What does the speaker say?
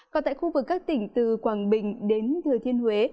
còn tại khu vực các tỉnh từ quảng bình đến thừa thiên huế